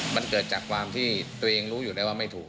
มันเกิดจากความที่ตัวเองรู้อยู่แล้วว่าไม่ถูก